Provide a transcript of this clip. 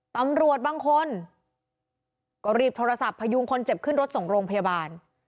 ตำรวจบางคนก็รีบโทรศัพท์พยุงคนเจ็บขึ้นรถส่งโรงพยาบาล